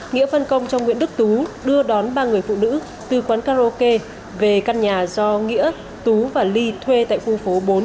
nghĩa phân công cho nguyễn đức tú đưa đón ba người phụ nữ từ quán karaoke về căn nhà do nghĩa tú và ly thuê tại khu phố bốn